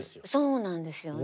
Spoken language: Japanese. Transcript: そうなんですよね。